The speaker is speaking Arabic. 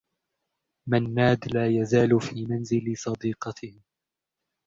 منّاد لا يزال في منزل صديقته.